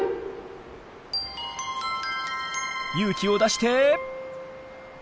勇気を出してえい！